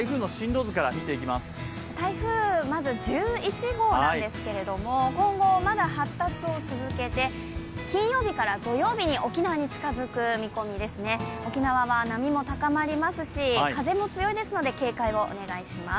台風１１号なんですけれども今後、まだ発達を続けて金曜日から土曜日に沖縄に近づく見込みですね沖縄は波も高まりますし、風も強いですので警戒をお願いします。